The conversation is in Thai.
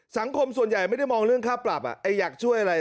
ส่วนใหญ่ไม่ได้มองเรื่องค่าปรับอยากช่วยอะไร